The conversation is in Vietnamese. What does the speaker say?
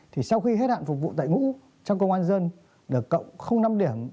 thì sau khi hết hạn phục vụ tại ngũ trong công an dân được cộng năm điểm